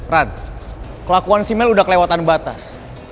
ran kelakuan si mel udah kelewatan batas